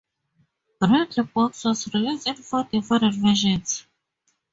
"Riddle Box" was released in four different versions.